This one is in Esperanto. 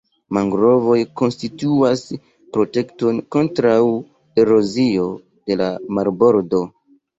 Mangrovoj konstituas protekton kontraŭ erozio de la marbordo.